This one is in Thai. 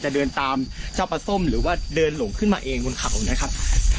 เดินตามเจ้าปลาส้มหรือว่าเดินหลงขึ้นมาเองบนเขานะครับ